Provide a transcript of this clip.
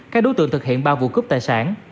các đối tượng thực hiện ba vụ cướp tài sản